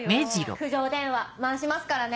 苦情電話回しますからね。